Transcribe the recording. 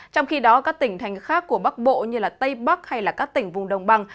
trong khi đó các tỉnh thành khác của bắc bộ như tây bắc hay các tỉnh vùng đồng bằng